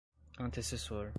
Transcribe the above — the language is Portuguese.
antecessor